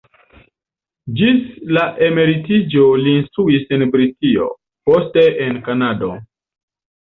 Ĝis la emeritiĝo li instruis en Britio, poste en Kanado.